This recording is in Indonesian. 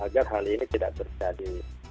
agar hal ini tidak terjadi